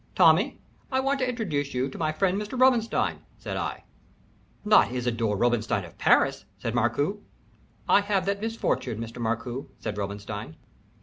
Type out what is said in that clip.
"Tommy, I want to introduce you to my friend Mr. Robinstein," said I. "Not Isidore Robinstein, of Paris?" said Markoo. "I have that misfortune, Mr. Markoo," said Robinstein.